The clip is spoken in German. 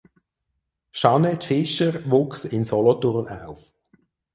Jeannette Fischer wuchs in Solothurn auf.